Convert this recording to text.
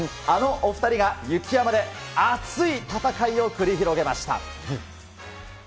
あのお２人が雪山で熱い戦いを繰り広げました。